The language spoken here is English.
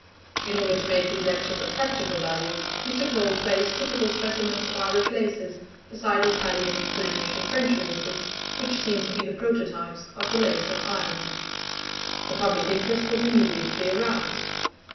In order to make these lectures of practical value, Mr. Cole placed typical specimens of Irish laces beside Italian, Flemish, and French laces, which seem to be the prototypes of the lace of Ireland. The public interest was immediately aroused.